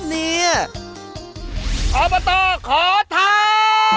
อเบอร์ตอร์ขอท้า